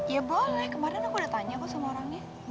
ya boleh kemarin aku udah tanya kok sama orangnya